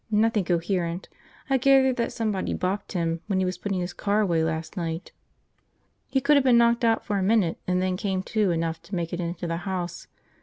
"Nothing coherent. I gathered that somebody bopped him when he was putting his car away last night. He could have been knocked out for a minute and then came to enough to make it into the house.